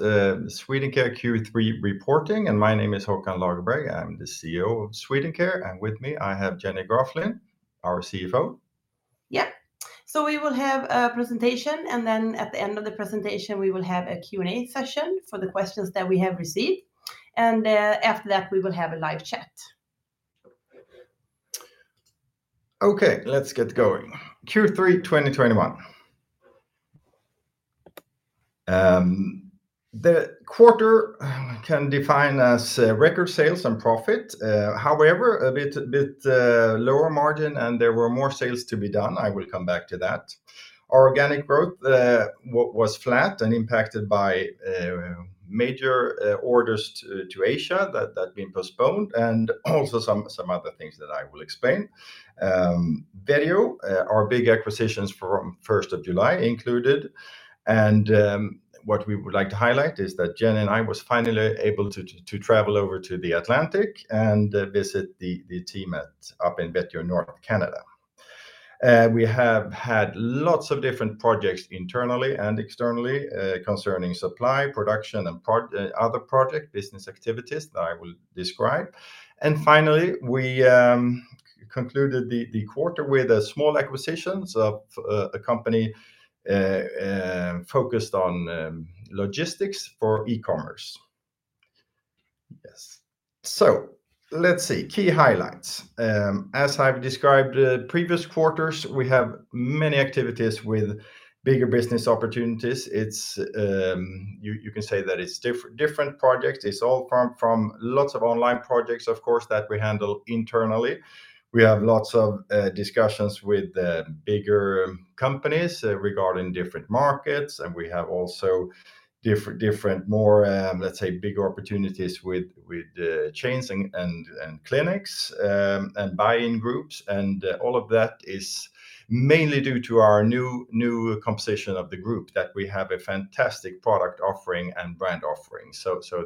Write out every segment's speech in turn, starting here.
Swedencare Q3 reporting. My name is Håkan Lagerberg. I'm the CEO of Swedencare, and with me I have Jenny Graflind, our CFO. Yeah. We will have a presentation, and then at the end of the presentation, we will have a Q&A session for the questions that we have received, and after that we will have a live chat. Okay, let's get going. Q3 2021. The quarter can be defined as record sales and profit, however, a bit lower margin, and there were more sales to be done. I will come back to that. Our organic growth was flat and impacted by major orders to Asia that had been postponed, and also some other things that I will explain. Vetio, our big acquisitions from 1st of July included, and what we would like to highlight is that Jenny and I was finally able to travel over to the Atlantic and visit the team up in Vetio North, Canada. We have had lots of different projects internally and externally concerning supply, production, and other project business activities that I will describe. Finally, we concluded the quarter with a small acquisition. A company focused on logistics for e-commerce. Yes. Let's see, key highlights. As I've described previous quarters, we have many activities with bigger business opportunities. It's you can say that it's different projects. It's all from lots of online projects, of course, that we handle internally. We have lots of discussions with bigger companies regarding different markets, and we have also different, more, let's say bigger opportunities with chains and clinics and buying groups. All of that is mainly due to our new composition of the group, that we have a fantastic product offering and brand offering.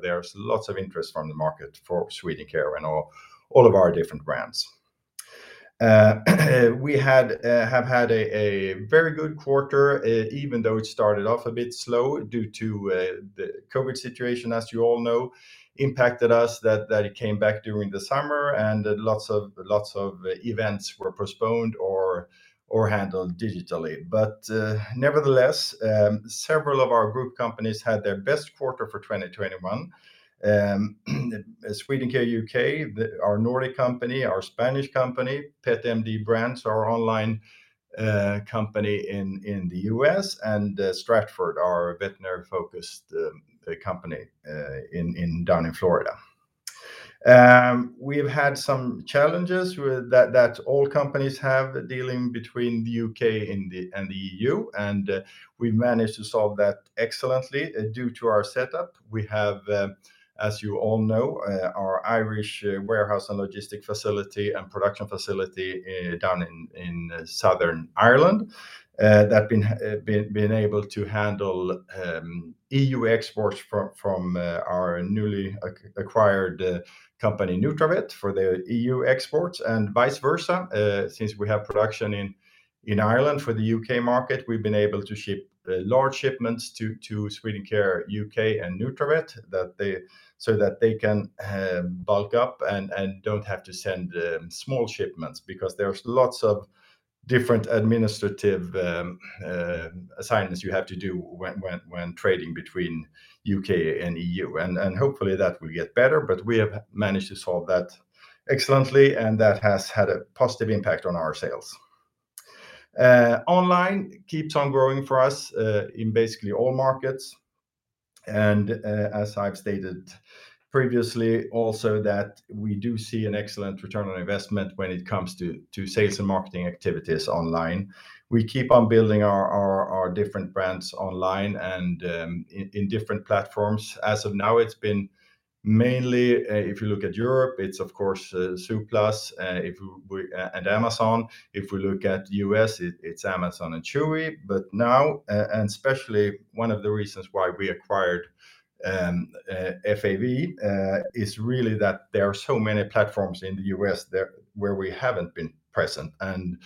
There's lots of interest from the market for Swedencare and all of our different brands. We have had a very good quarter, even though it started off a bit slow due to the COVID situation, as you all know, impacted us. That it came back during the summer and lots of events were postponed or handled digitally. Nevertheless, several of our group companies had their best quarter for 2021. Swedencare U.K., our Nordic company, our Spanish company, Pet MD Brands, our online company in the U.S., and Stratford, our veterinary-focused company in down in Florida. We've had some challenges with that all companies have dealing between the U.K. and the EU, and we managed to solve that excellently due to our setup. We have, as you all know, our Irish warehouse and logistics facility and production facility down in southern Ireland that has been able to handle E.U. exports from our newly acquired company, Nutravet, for the E.U. exports and vice versa. Since we have production in Ireland for the U.K. market, we've been able to ship large shipments to Swedencare U.K. and Nutravet so that they can bulk up and don't have to send small shipments because there's lots of different administrative assignments you have to do when trading between U.K. and E.U. Hopefully that will get better, but we have managed to solve that excellently, and that has had a positive impact on our sales. Online keeps on growing for us in basically all markets, and as I've stated previously also that we do see an excellent return on investment when it comes to sales and marketing activities online. We keep on building our different brands online and in different platforms. As of now, it's been mainly, if you look at Europe, it's of course zooplus and Amazon. If we look at U.S., it's Amazon and Chewy. Now, and especially one of the reasons why we acquired FAV is really that there are so many platforms in the U.S. where we haven't been present, and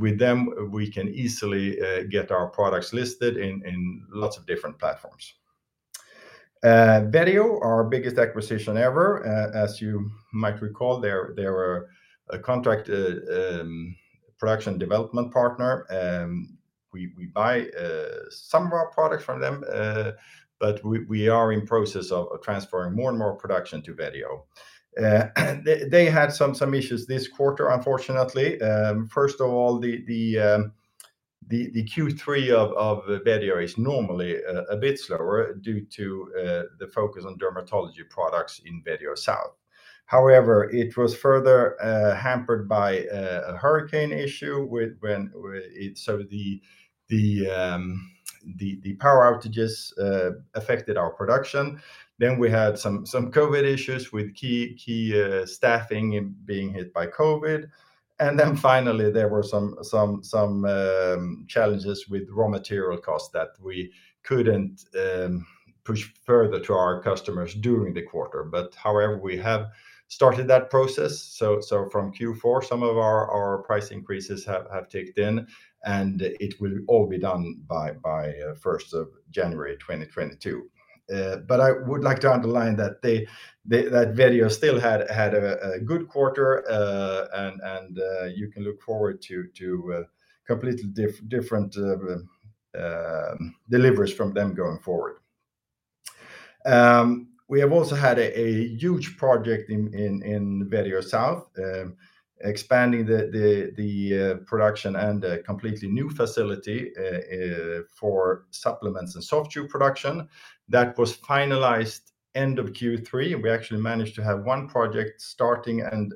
with them, we can easily get our products listed in lots of different platforms. Vetio, our biggest acquisition ever, as you might recall, they're a contract production development partner. We buy some raw products from them, but we are in process of transferring more and more production to Vetio. They had some issues this quarter, unfortunately. First of all, the Q3 of Vetio is normally a bit slower due to the focus on dermatology products in Vetio South. However, it was further hampered by a hurricane issue, so the power outages affected our production. Then we had some COVID issues with key staffing being hit by COVID. Then finally, there were some challenges with raw material costs that we couldn't push further to our customers during the quarter. However, we have started that process, so from Q4 some of our price increases have kicked in, and it will all be done by January 1, 2022. I would like to underline that Vetio still had a good quarter, and you can look forward to completely different deliveries from them going forward. We have also had a huge project in Vetio South, expanding the production and a completely new facility for supplements and soft tube production. That was finalized end of Q3. We actually managed to have one project starting and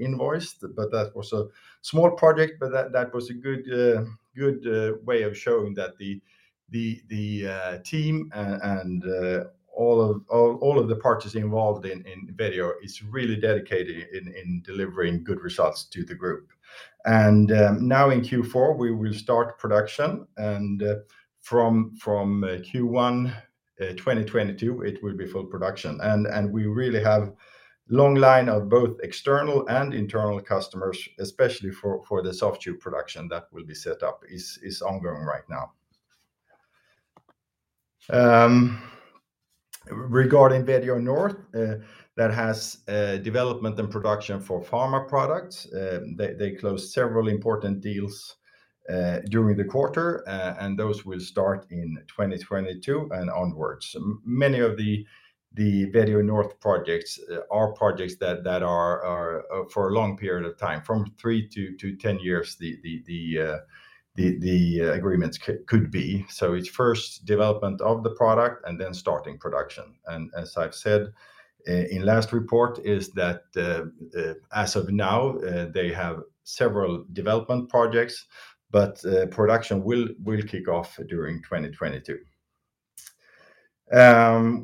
invoiced, but that was a small project, but that was a good way of showing that the team and all of the parties involved in Vetio is really dedicated in delivering good results to the group. Now in Q4 we will start production, and from Q1 2022, it will be full production. We really have long line of both external and internal customers, especially for the soft tube production that will be set up is ongoing right now. Regarding Vetio North, that has development and production for pharma products, they closed several important deals during the quarter, and those will start in 2022 and onwards. Many of the Vetio North projects are projects that are for a long period of time, from three to 10 years the agreements could be. It's first development of the product and then starting production. As I've said in last report is that as of now they have several development projects, but production will kick off during 2022.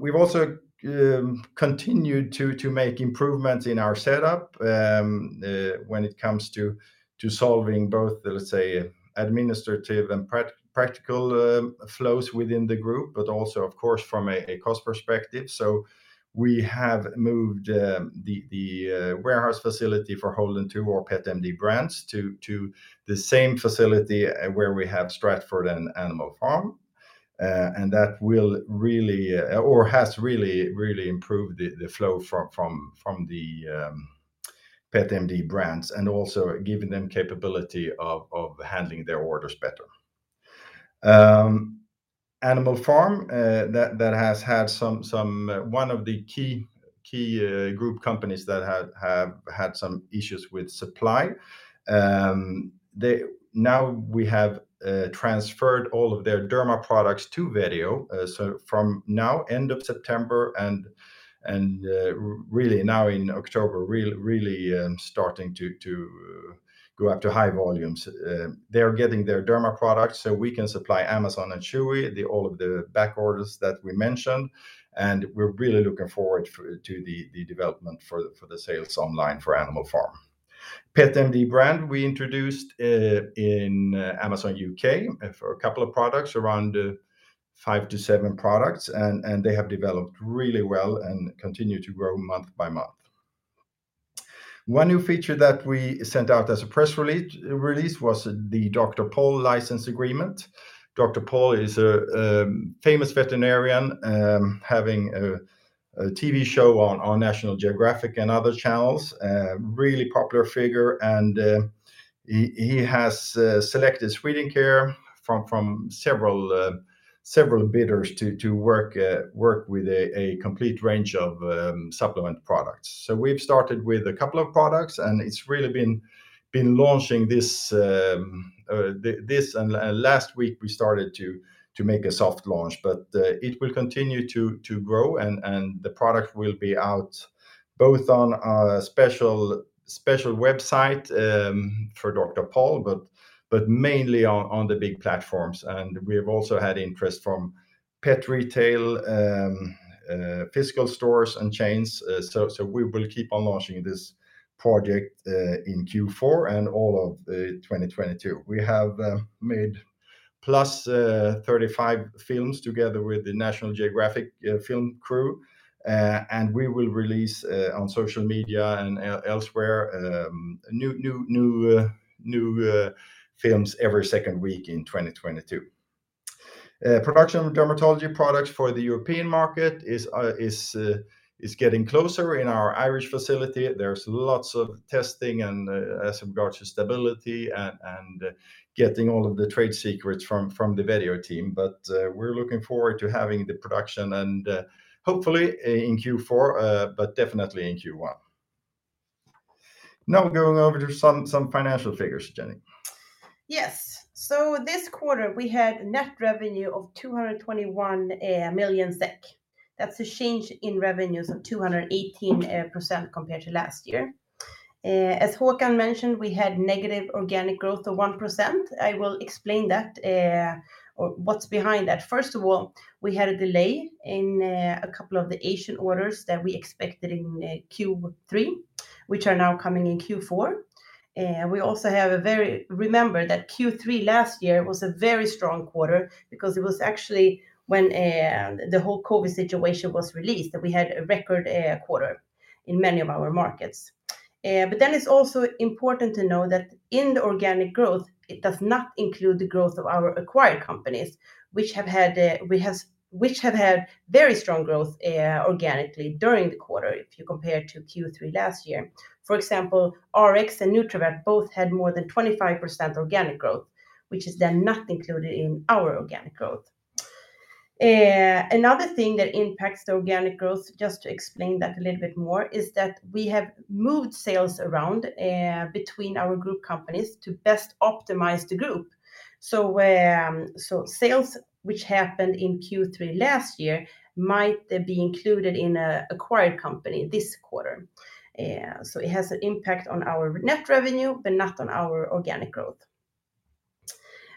We've also continued to make improvements in our setup when it comes to solving both the, let's say, administrative and practical flows within the group, but also of course from a cost perspective. We have moved the warehouse facility for Holden2 to our Pet MD Brands to the same facility where we have Stratford and Animal Pharmaceuticals. That has really improved the flow from the Pet MD Brands and also given them capability of handling their orders better. Animal Pharmaceuticals, that has had some. One of the key group companies that have had some issues with supply, they now we have transferred all of their derma products to Vetio. So from end of September, and really now in October really starting to go up to high volumes. They are getting their derma products, so we can supply Amazon and Chewy all of the back orders that we mentioned, and we're really looking forward to the development for the sales online for Animal Pharmaceuticals. PetMD brand we introduced in Amazon U.K. for a couple of products, around 5-7 products and they have developed really well and continue to grow month by month. One new feature that we sent out as a press release was the Dr. Pol license agreement. Dr. Pol is a famous veterinarian, having a TV show on National Geographic and other channels. Really popular figure, and he has selected Swedencare from several bidders to work with a complete range of supplement products. We've started with a couple of products, and it's really been launching this and last week we started to make a soft launch. It will continue to grow and the product will be out both on our special website for Dr. Pol, but mainly on the big platforms. We have also had interest from pet retail physical stores and chains. So we will keep on launching this project in Q4 and all of 2022. We have made plus 35 films together with the National Geographic film crew and we will release on social media and elsewhere new films every second week in 2022. Production of dermatology products for the European market is getting closer in our Irish facility. There's lots of testing and as regards to stability and getting all of the trade secrets from the Vetio team. We're looking forward to having the production and hopefully in Q4, but definitely in Q1. Now going over to some financial figures, Jenny. Yes. This quarter we had net revenue of 221 million SEK. That's a change in revenues of 218% compared to last year. As Håkan mentioned, we had negative organic growth of 1%. I will explain that or what's behind that. First of all, we had a delay in a couple of the Asian orders that we expected in Q3, which are now coming in Q4. Remember that Q3 last year was a very strong quarter because it was actually when the whole COVID situation was unleashed that we had a record quarter in many of our markets. It's also important to know that in the organic growth, it does not include the growth of our acquired companies which have had very strong growth organically during the quarter if you compare to Q3 last year. For example, Rx and Nutravet both had more than 25% organic growth, which is then not included in our organic growth. Another thing that impacts the organic growth, just to explain that a little bit more, is that we have moved sales around between our group companies to best optimize the group. Sales which happened in Q3 last year might be included in an acquired company this quarter. It has an impact on our net revenue, but not on our organic growth.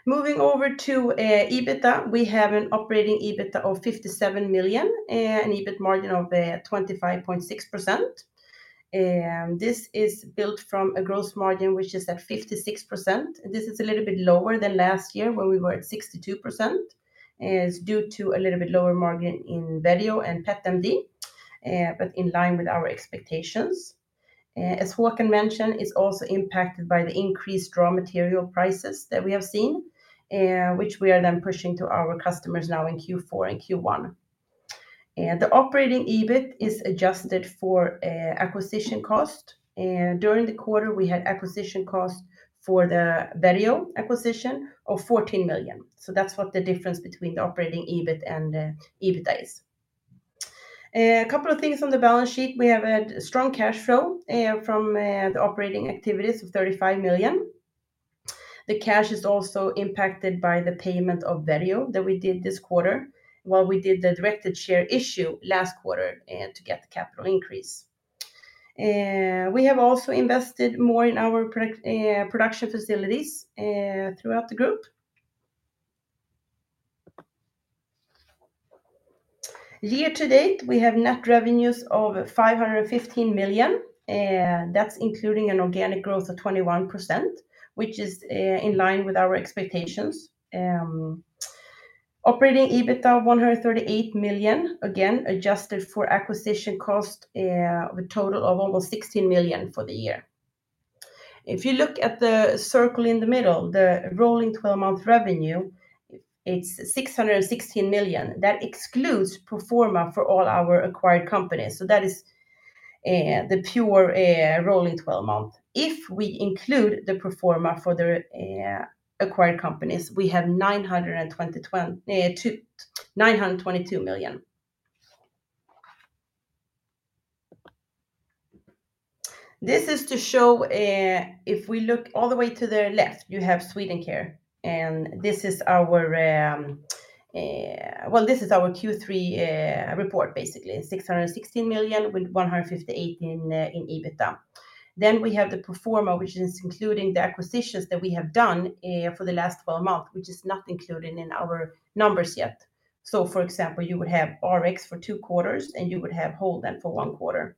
Moving over to EBITDA, we have an operating EBITDA of 57 million, an EBIT margin of 25.6%. This is built from a gross margin which is at 56%. This is a little bit lower than last year where we were at 62%. It's due to a little bit lower margin in Vetio and PetMD, but in line with our expectations. As Håkan mentioned, it's also impacted by the increased raw material prices that we have seen, which we are then pushing to our customers now in Q4 and Q1. The operating EBIT is adjusted for acquisition cost. During the quarter, we had acquisition costs for the Vetio acquisition of 14 million. So that's what the difference between the operating EBIT and the EBITDA is. A couple of things on the balance sheet. We have had strong cash flow from the operating activities of 35 million. The cash is also impacted by the payment of Vetio that we did this quarter, while we did the directed share issue last quarter to get the capital increase. We have also invested more in our product production facilities throughout the group. Year to date, we have net revenues of 515 million, that's including an organic growth of 21%, which is in line with our expectations. Operating EBITDA 138 million, again, adjusted for acquisition cost with total of almost 16 million for the year. If you look at the circle in the middle, the rolling twelve-month revenue, it's 616 million. That excludes pro forma for all our acquired companies. That is the pure rolling twelve-month. If we include the pro forma for the acquired companies, we have 922 million. This is to show if we look all the way to the left, you have Swedencare, and this is our Q3 report, basically, 616 million with 158 in EBITDA. Then we have the pro forma, which is including the acquisitions that we have done for the last twelve months, which is not included in our numbers yet. For example, you would have Rx for two quarters, and you would have Holden2 for one quarter.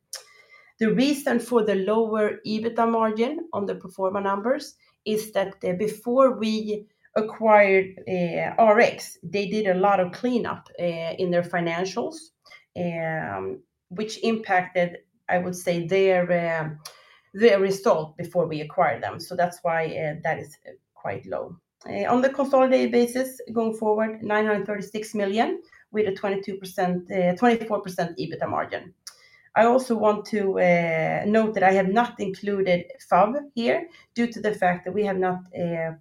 The reason for the lower EBITDA margin on the pro forma numbers is that before we acquired Rx, they did a lot of cleanup in their financials, which impacted, I would say, their result before we acquired them. That's why that is quite low. On the consolidated basis going forward, 936 million with a 22%, 24% EBITDA margin. I also want to note that I have not included FAV here due to the fact that we have not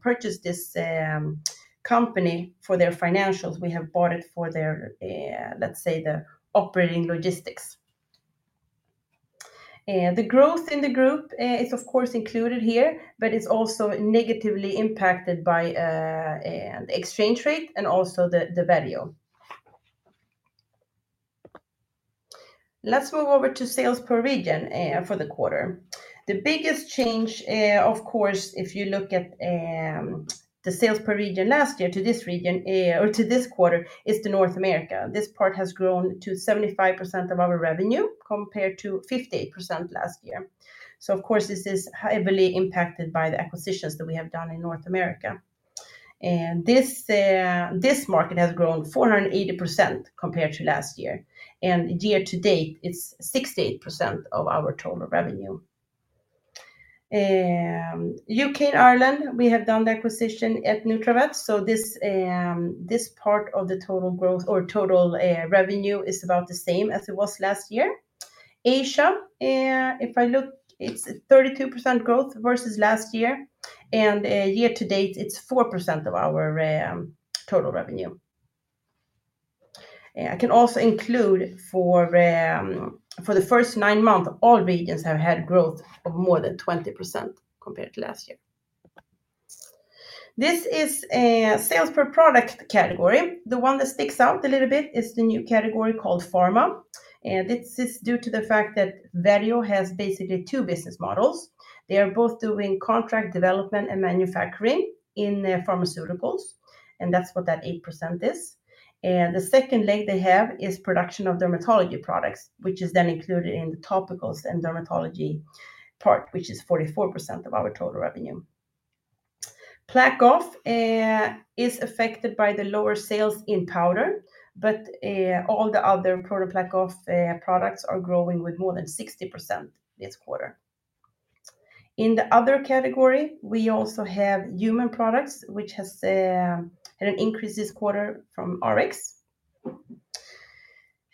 purchased this company for their financials. We have bought it for their, let's say, the operating logistics. The growth in the group is of course included here, but it's also negatively impacted by exchange rate and also the Vetio. Let's move over to sales per region for the quarter. The biggest change of course, if you look at the sales per region last year to this region or to this quarter, is North America. This part has grown to 75% of our revenue, compared to 50% last year. Of course, this is heavily impacted by the acquisitions that we have done in North America. This market has grown 480% compared to last year. Year to date, it's 68% of our total revenue. U.K. and Ireland, we have done the acquisition of Nutravet, so this part of the total growth or total revenue is about the same as it was last year. Asia, if I look, it's 32% growth versus last year. Year to date, it's 4% of our total revenue. I can also include, for the first nine months, all regions have had growth of more than 20% compared to last year. This is sales per product category. The one that sticks out a little bit is the new category called Pharma. This is due to the fact that Vetio has basically two business models. They are both doing contract development and manufacturing in pharmaceuticals, and that's what that 8% is. The second leg they have is production of dermatology products, which is then included in the topicals and dermatology part, which is 44% of our total revenue. PlaqueOff is affected by the lower sales in powder, but all the other ProDen PlaqueOff products are growing with more than 60% this quarter. In the other category, we also have human products which has had an increase this quarter from Rx.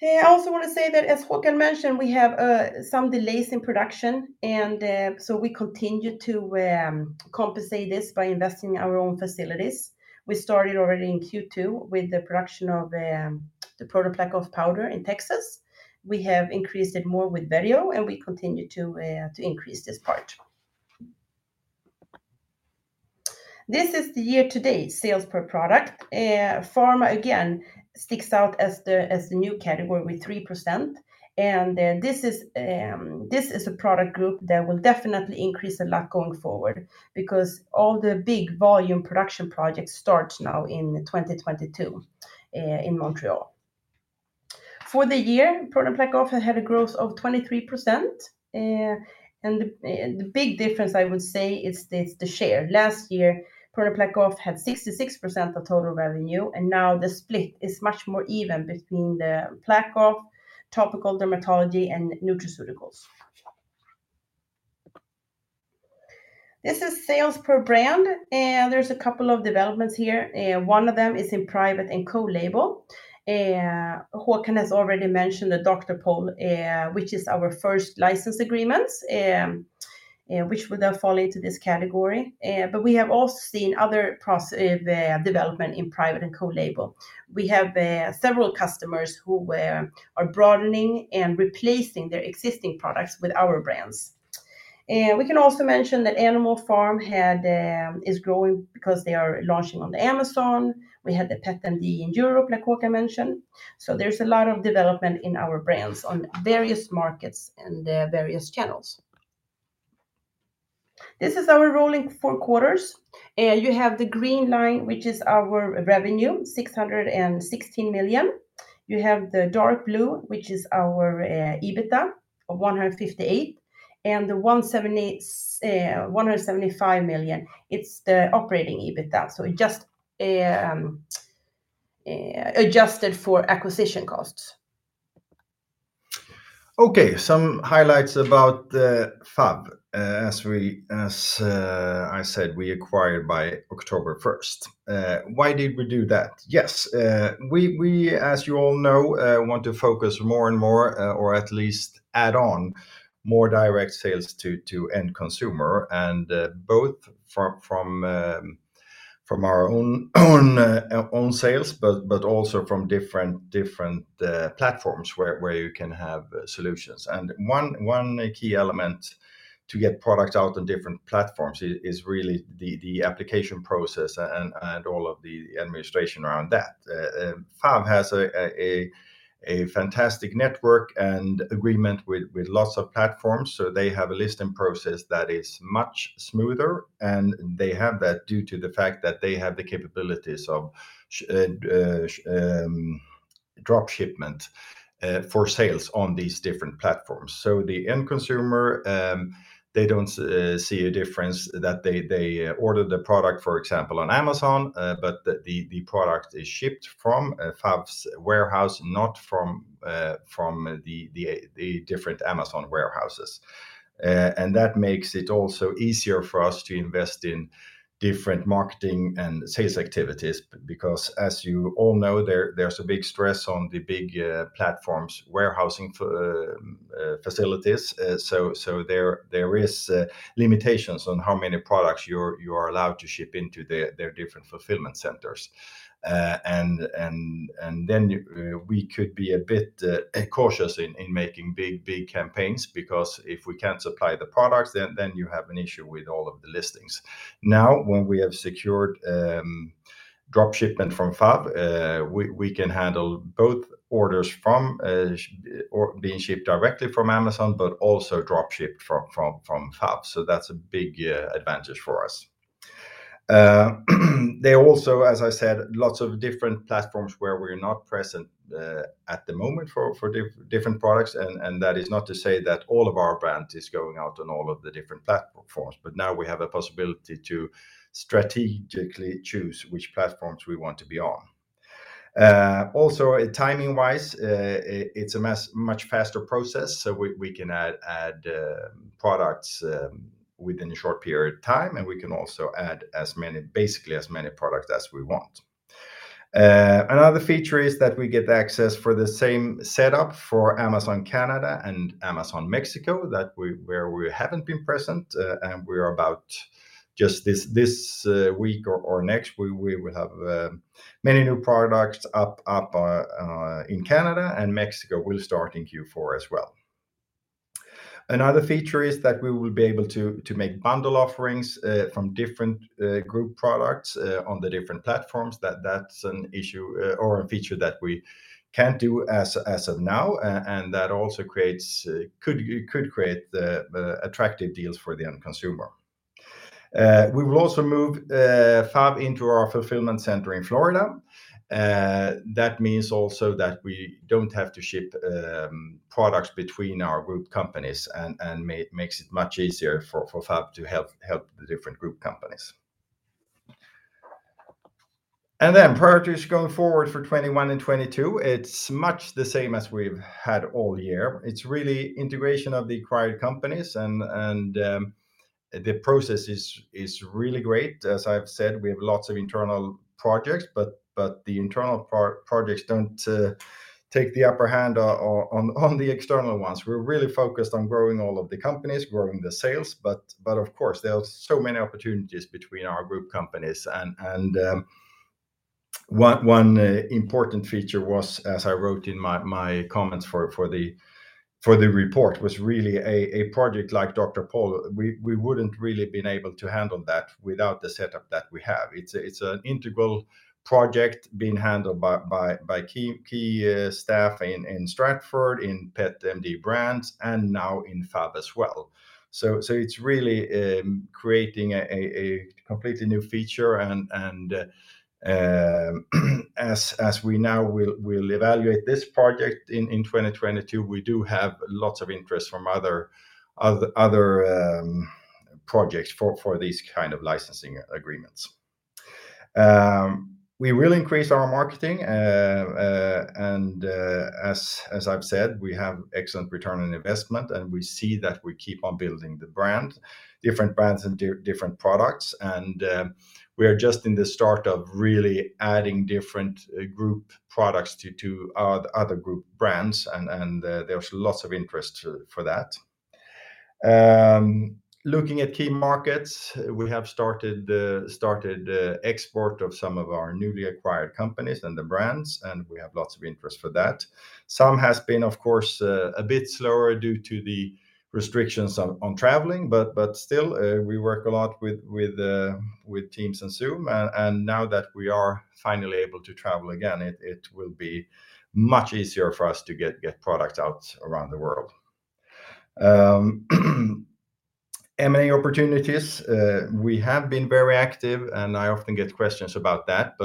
I also want to say that as Håkan mentioned, we have some delays in production, and so we continue to compensate this by investing in our own facilities. We started already in Q2 with the production of the ProDen PlaqueOff powder in Texas. We have increased it more with Vetio, and we continue to increase this part. This is the year-to-date sales per product. Pharma again sticks out as the new category with 3%, and this is a product group that will definitely increase a lot going forward because all the big volume production projects start now in 2022 in Montreal. For the year, ProDen PlaqueOff had a growth of 23%. The big difference I would say is the share. Last year, ProDen PlaqueOff had 66% of total revenue, and now the split is much more even between the PlaqueOff, topical dermatology, and nutraceuticals. This is sales per brand. There's a couple of developments here. One of them is in private and co-label. Håkan has already mentioned the Dr. Pol, which is our first license agreements, which would fall into this category. But we have also seen other development in private and co-label. We have several customers who are broadening and replacing their existing products with our brands. We can also mention that Animal Pharmaceuticals is growing because they are launching on Amazon. We had the PetMD in Europe, like Håkan mentioned. There's a lot of development in our brands on various markets and various channels. This is our rolling four quarters. You have the green line, which is our revenue, 616 million. You have the dark blue, which is our EBITDA of 158, and the 175 million, it's the operating EBITDA, so it just adjusted for acquisition costs. Okay, some highlights about FAV. As I said, we acquired by October first. Why did we do that? Yes, we, as you all know, want to focus more and more, or at least add on more direct sales to end consumer and both from our own sales, but also from different platforms where you can have solutions. One key element to get products out on different platforms is really the application process and all of the administration around that. FAV has a fantastic network and agreement with lots of platforms, so they have a listing process that is much smoother, and they have that due to the fact that they have the capabilities of drop shipment for sales on these different platforms. The end consumer they don't see a difference that they order the product, for example, on Amazon, but the product is shipped from FAV's warehouse, not from the different Amazon warehouses. That makes it also easier for us to invest in different marketing and sales activities because as you all know, there's a big stress on the big platforms' warehousing facilities. There is limitations on how many products you are allowed to ship into their different fulfillment centers. We could be a bit cautious in making big campaigns because if we can't supply the products, then you have an issue with all of the listings. Now, when we have secured drop shipment from FAV, we can handle both orders from or being shipped directly from Amazon, but also drop shipped from FAV, so that's a big advantage for us. They also, as I said, lots of different platforms where we're not present at the moment for different products and that is not to say that all of our brand is going out on all of the different platforms. Now we have a possibility to strategically choose which platforms we want to be on. Also timing-wise, it's a much faster process, so we can add products within a short period of time, and we can also add as many products as we want. Another feature is that we get access for the same setup for Amazon Canada and Amazon Mexico, where we haven't been present, and we are about just this week or next week we will have many new products up in Canada, and Mexico will start in Q4 as well. Another feature is that we will be able to make bundle offerings from different group products on the different platforms. That, that's an issue or a feature that we can't do as of now and that also could create the attractive deals for the end consumer. We will also move FAV into our fulfillment center in Florida, that means also that we don't have to ship products between our group companies and makes it much easier for FAV to help the different group companies. Then priorities going forward for 2021 and 2022, it's much the same as we've had all year. It's really integration of the acquired companies and the process is really great. As I've said, we have lots of internal projects, but the internal projects don't take the upper hand on the external ones. We're really focused on growing all of the companies, growing the sales, but of course there are so many opportunities between our group companies. One important feature was, as I wrote in my comments for the report, really a project like Dr. Pol. We wouldn't really been able to handle that without the setup that we have. It's an integral project being handled by key staff in Stratford, in PetMD Brands, and now in FAV as well. It's really creating a completely new feature and as we now will evaluate this project in 2022, we do have lots of interest from other projects for these kind of licensing agreements. We will increase our marketing. As I've said, we have excellent return on investment, and we see that we keep on building the brand, different brands and different products. We are just in the start of really adding different group products to other group brands, and there's lots of interest for that. Looking at key markets, we have started export of some of our newly acquired companies and the brands, and we have lots of interest for that. Some has been, of course, a bit slower due to the restrictions on traveling, but still, we work a lot with Teams and Zoom, and now that we are finally able to travel again, it will be much easier for us to get products out around the world. M&A opportunities, we have been very active, and I often get questions about that.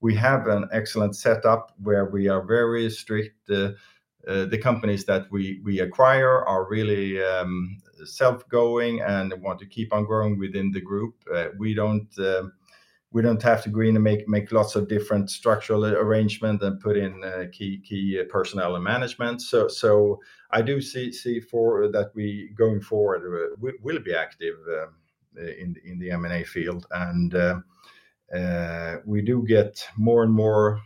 We have an excellent setup where we are very strict. The companies that we acquire are really self-going and want to keep on growing within the group. We don't have to go in and make lots of different structural arrangement and put in key personnel and management. I do see that we, going forward, will be active in the M&A field. We do get more and more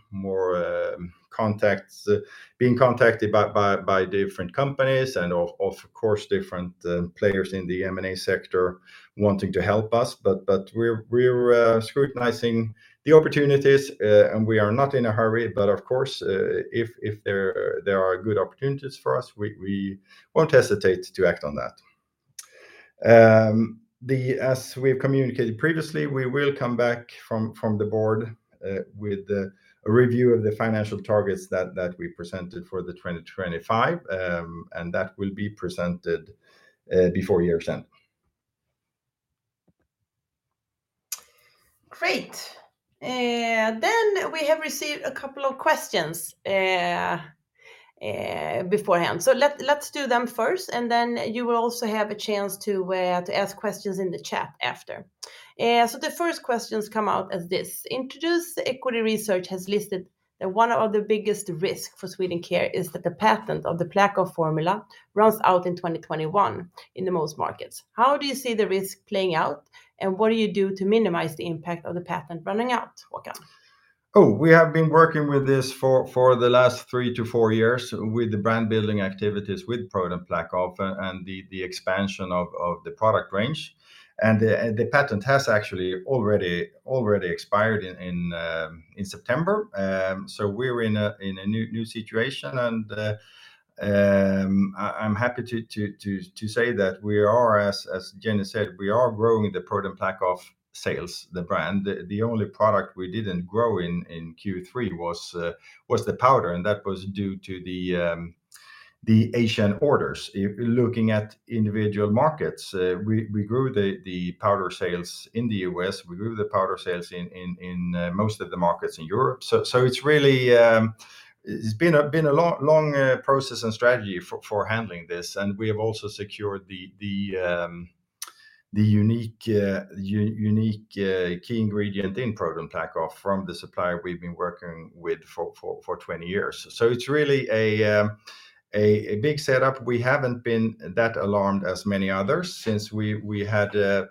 contacts, being contacted by different companies and of course different players in the M&A sector wanting to help us. We're scrutinizing the opportunities and we are not in a hurry. Of course, if there are good opportunities for us, we won't hesitate to act on that. As we've communicated previously, we will come back from the board with a review of the financial targets that we presented for the 2025, and that will be presented before year's end. Great. We have received a couple of questions beforehand. Let's do them first, and then you will also have a chance to ask questions in the chat after. The first questions come out as this. Introduce.se has listed that one of the biggest risk for Swedencare is that the patent of the PlaqueOff formula runs out in 2021 in most markets. How do you see the risk playing out, and what do you do to minimize the impact of the patent running out, Håkan? Oh, we have been working with this for the last three to four years with the brand-building activities with ProDen PlaqueOff and the expansion of the product range. The patent has actually already expired in September. We're in a new situation, and I'm happy to say that we are, as Jenny said, growing the ProDen PlaqueOff sales, the brand. The only product we didn't grow in Q3 was the powder, and that was due to the Asian orders. If you're looking at individual markets, we grew the powder sales in the U.S., we grew the powder sales in most of the markets in Europe. It's really a long process and strategy for handling this, and we have also secured the unique key ingredient in ProDen PlaqueOff from the supplier we've been working with for 20 years. It's really a big setup. We haven't been that alarmed as many others since we had the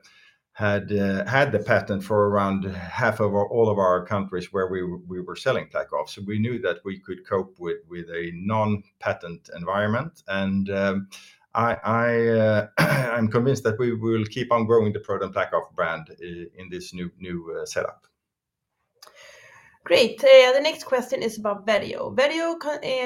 patent for around half of all of our countries where we were selling PlaqueOff. We knew that we could cope with a non-patent environment and I'm convinced that we will keep on growing the ProDen PlaqueOff brand in this new setup. Great. The next question is about Vetio. Vetio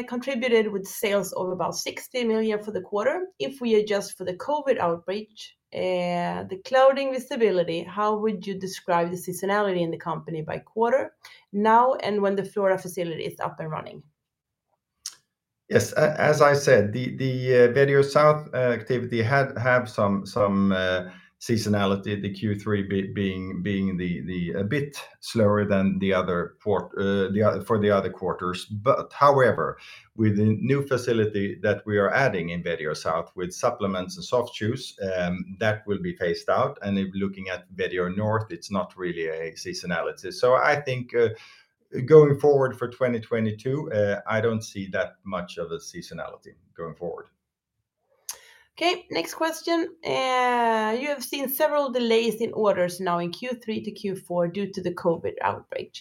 contributed with sales of about 60 million for the quarter. If we adjust for the COVID outbreak, the clouding visibility, how would you describe the seasonality in the company by quarter now and when the Florida facility is up and running? Yes. As I said, the Vetio South activity has some seasonality, Q3 being a bit slower than the other quarters. However, with the new facility that we are adding in Vetio South with supplements and soft chews, that will be phased out, and if looking at Vetio North, it's not really a seasonality. I think, going forward for 2022, I don't see that much of a seasonality going forward. Okay, next question. You have seen several delays in orders now in Q3 to Q4 due to the COVID outbreak,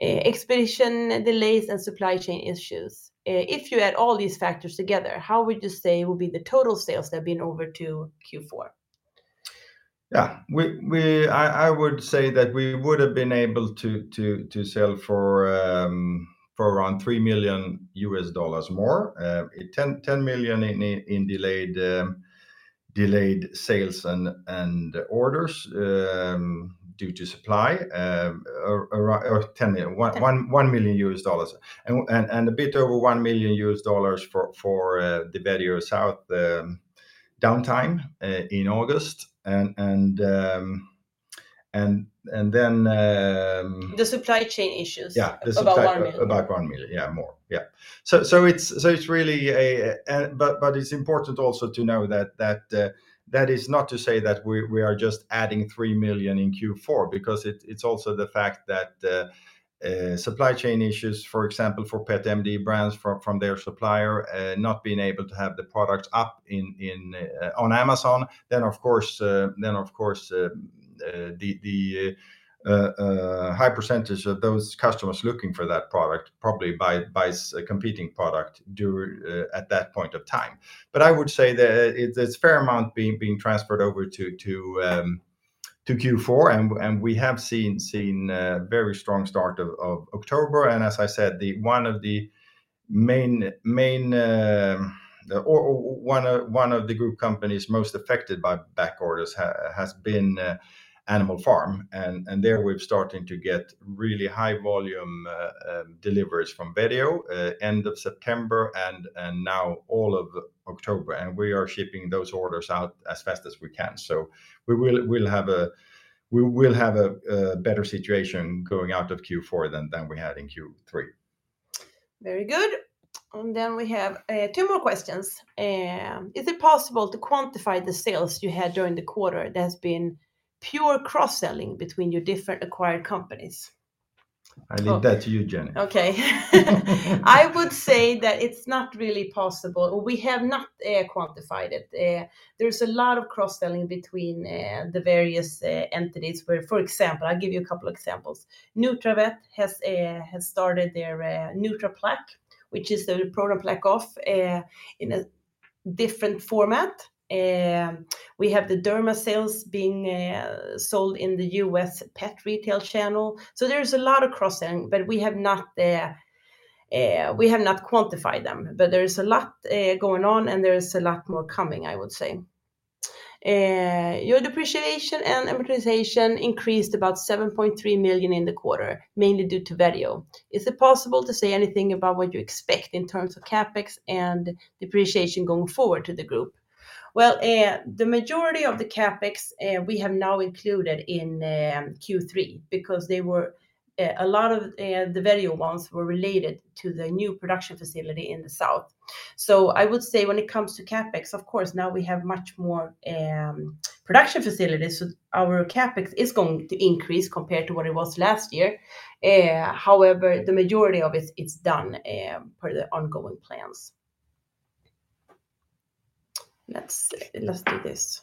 expedition delays and supply chain issues. If you add all these factors together, how would you say will be the total sales that have been over to Q4? I would say that we would've been able to sell for around $3 million more. $10 million in delayed sales and orders due to supply or $10 mil- 10... $1 million. A bit over $1 million for the Vetio South downtime in August. Then, The supply chain issues. Yeah, the supply About SEK 1 million About SEK 1 million, yeah, more. It's important also to know that is not to say that we are just adding 3 million in Q4, because it's also the fact that supply chain issues, for example, for Pet MD Brands from their supplier not being able to have the product up on Amazon, then of course the high percentage of those customers looking for that product probably buy a competing product at that point of time. I would say that it's a fair amount being transferred over to Q4, and we have seen a very strong start of October. As I said, the one of the group companies most affected by back orders has been Animal Pharmaceuticals, and there we're starting to get really high volume deliveries from Vetio end of September and now all of October, and we are shipping those orders out as fast as we can. We will have a better situation going out of Q4 than we had in Q3. Very good. We have two more questions. Is it possible to quantify the sales you had during the quarter that has been pure cross-selling between your different acquired companies? I leave that to you, Jenny. Okay. I would say that it's not really possible. We have not quantified it. There's a lot of cross-selling between the various entities, where for example, I'll give you a couple examples. nutravet has started their nutraplaque, which is the ProDen PlaqueOff in a different format. We have the Derma sales being sold in the U.S. pet retail channel. There's a lot of cross-selling, but we have not quantified them. There is a lot going on, and there is a lot more coming, I would say. Your depreciation and amortization increased about 7.3 million in the quarter, mainly due to Vetio. Is it possible to say anything about what you expect in terms of CapEx and depreciation going forward to the group? Well, the majority of the CapEx we have now included in Q3, because a lot of the Vetio ones were related to the new production facility in the south. I would say when it comes to CapEx, of course, now we have much more production facilities, so our CapEx is going to increase compared to what it was last year. However, the majority of it's done per the ongoing plans. Let's do this.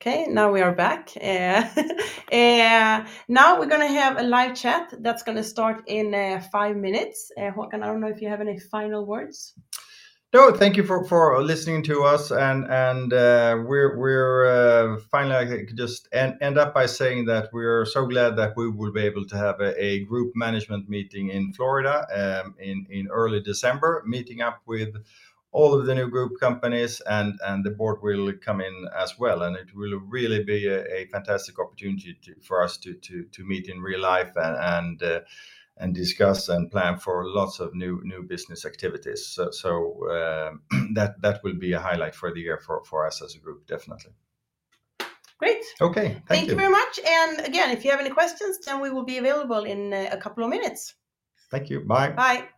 Okay, now we are back. Now we're gonna have a live chat that's gonna start in five minutes. Håkan, I don't know if you have any final words. No. Thank you for listening to us, and finally, I can just end up by saying that we're so glad that we will be able to have a group management meeting in Florida in early December, meeting up with all of the new group companies, and the board will come in as well, and it will really be a fantastic opportunity for us to meet in real life and discuss and plan for lots of new business activities. That will be a highlight for the year for us as a group, definitely. Great. Okay. Thank you. Thank you very much, and again, if you have any questions, then we will be available in a couple of minutes. Thank you. Bye. Bye.